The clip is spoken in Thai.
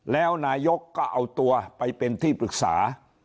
แล้วนายกก็เอาตัวไปเป็นที่ปรึกษา